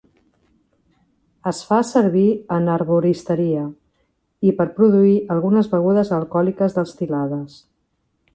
Es fa servir en herboristeria i per produir algunes begudes alcohòliques destil·lades.